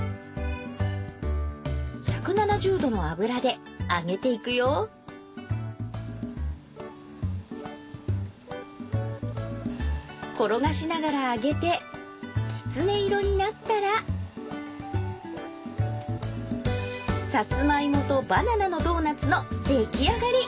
１７０度の油で揚げていくよ転がしながら揚げてきつね色になったらさつまいもとバナナのドーナツの出来上がり。